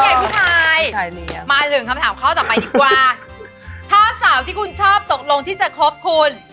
ใหญ่ผู้ชายมาถึงคำถามข้อต่อไปดีกว่าถ้าสาวที่คุณชอบตกลงที่จะคบคุณ